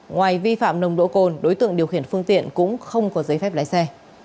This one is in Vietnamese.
ngoài vi phạm nồng độ cồn đối tượng điều khiển phương tiện cũng không có giấy phép lái xe